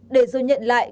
để do nhận lại